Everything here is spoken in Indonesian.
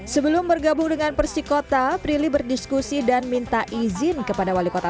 sebelum bergabung dengan persikota prilly berdiskusi dan minta izin kepada wali kota